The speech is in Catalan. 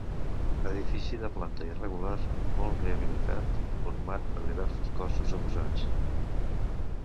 Edifici de planta irregular molt rehabilitat, format per diversos cossos adossats.